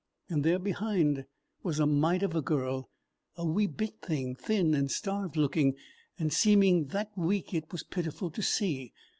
And there behind was a mite of a girl, a wee bit thing, thin and starved looking, and seeming that weak it was pitiful to see.